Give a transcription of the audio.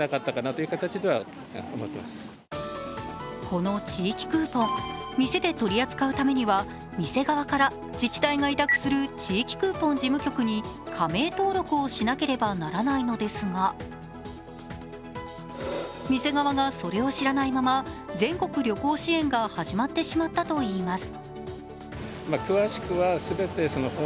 この地域クーポン、店で取り扱うためには店側から自治体が委託する地域クーポン事務局に加盟登録をしなければならないのですが店側がそれを知らないまま、全国旅行支援が始まってしまったといいます。